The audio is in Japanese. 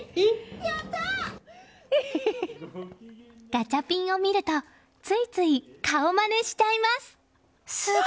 ガチャピンを見るとついつい、顔まねしちゃいます。